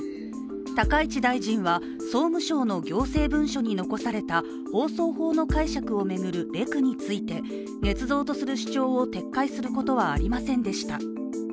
高市大臣は、総務省の行政文書に残された放送法の解釈を巡るレクについてねつ造とする主張を撤回することはありませんでした。